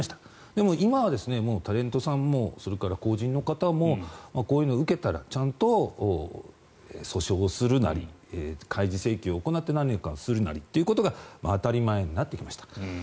でも今はタレントさんも公人の方もこういうのを受けたらちゃんと訴訟するなり開示請求をするなりということが当たり前になってきました。